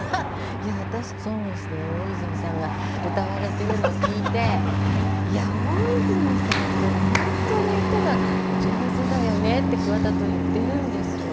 いや私「ＳＯＮＧＳ」で大泉さんが歌われてるのを聴いていや大泉さんって本当に歌が上手だよねって桑田と言ってるんですよ。